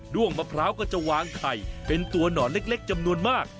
้วงมะพร้าวก็จะวางไข่เป็นตัวหนอนเล็กจำนวนมาก